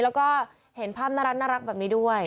แล้วก็เห็นภาพน่ารักแบบนี้ด้วย